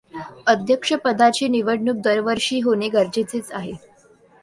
अध्यक्षपदाची निवडणूक दरवर्षी होणे गरजेचे आहे.